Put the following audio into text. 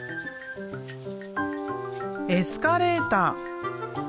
エスカレーター。